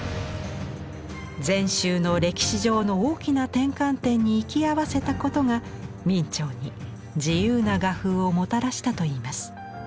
禅宗の歴史上の大きな転換点に行き合わせたことが明兆に自由な画風をもたらしたといいます。